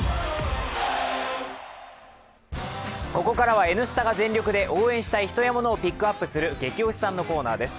ここからは「Ｎスタ」が全力で応援したい人やものをピックアップする「ゲキ推しさん」のコーナーです。